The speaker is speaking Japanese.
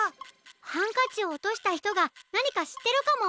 ハンカチをおとしたひとがなにかしってるかも。